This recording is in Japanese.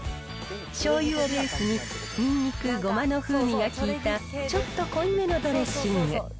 しょうゆをベースに、にんにくやごまの風味が効いた、ちょっと濃いめのドレッシング。